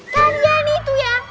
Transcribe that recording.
kalian itu ya